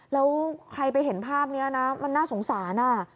แล้วใครไปเห็นภาพนี้นะมันน่าสงสาร